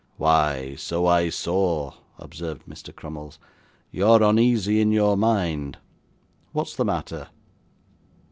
'Why, so I saw,' observed Mr. Crummles. 'You're uneasy in your mind. What's the matter?